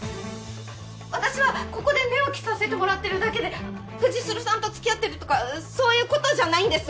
私はここで寝起きさせてもらってるだけで藤代さんとつきあってるとかそういうことじゃないんです。